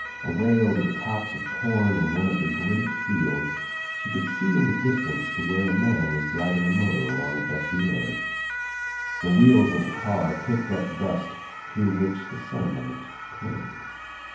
Away over the tops of the corn in one of the great fields she could see in the distance to where a man was driving a motor along a dusty road The wheels of the car kicked up dust through which the sunlight played.